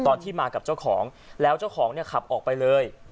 ตอนที่มากับเจ้าของแล้วเจ้าของเนี่ยขับออกไปเลย